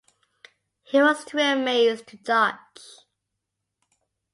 He was too amazed to dodge.